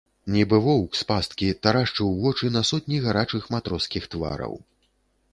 Нібы воўк з пасткі, тарашчыў вочы на сотні гарачых матроскіх твараў.